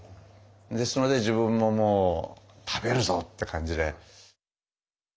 それで自分ももう食べるぞって感じで。